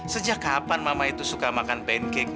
sejak kapan mama itu suka makan pancake